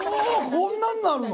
こんなんになるの！？